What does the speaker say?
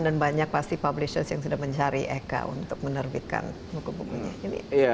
dan banyak pasti publishers yang sudah mencari eka untuk menerbitkan buku bukunya